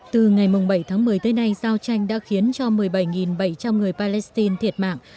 từ ngày bảy tháng một mươi tới nay giao tranh đã khiến cho một mươi bảy bảy trăm linh người palestine thiệt mạng